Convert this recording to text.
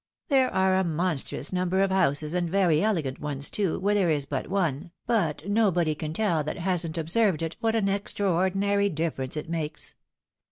There are a monstrous number of houses, and very elegant ones, too, where there is but one ; but nobody can teU that hasn't observed it, what an extraordinary difference it makes.